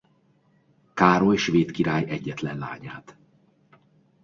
Károly svéd király egyetlen lányát.